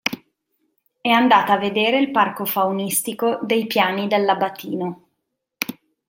È andata a vedere il Parco Faunistico dei piani dell'Abatino.